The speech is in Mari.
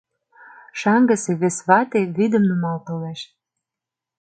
Шаҥгысе вес вате вӱдым нумал толеш.